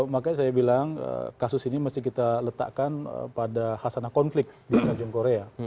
makanya saya bilang kasus ini mesti kita letakkan pada hasanah konflik di tanjung korea